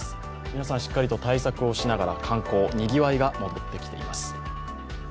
皆さん、しっかりと対策をしながら観光、にぎわいが戻ってきています